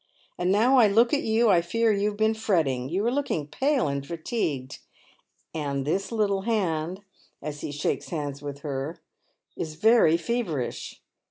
And now I look at you I fear you have been fretting. You are looking pale and fatigued. And this little band," as he shakes hands with her, " is very feverish."